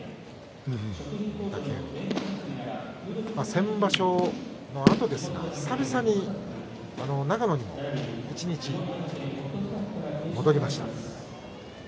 先場所のあとですが久々に長野にも一日戻りました。